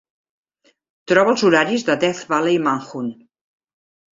Troba els horaris de 'Death Valley Manhunt'.